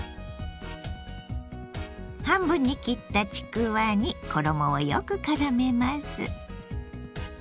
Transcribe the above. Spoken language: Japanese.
半分に切ったちくわに衣をよくからめます。